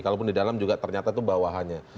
kalaupun di dalam juga ternyata itu bawahannya